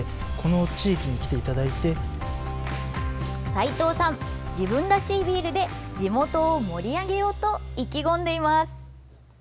齋藤さん、自分らしいビールで地元を盛り上げようと意気込んでいます。